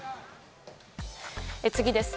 次です。